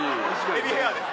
エビヘアです。